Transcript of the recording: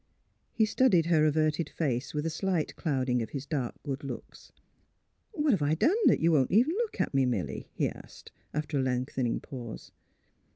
He studied her averted face, with a slight cloud ing of his dark good looks. " What have I done that you won't even look at me, Milly? " he asked, after a lengthening pause.